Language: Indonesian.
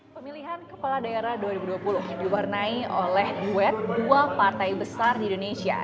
pemilihan kepala daerah dua ribu dua puluh diwarnai oleh duet dua partai besar di indonesia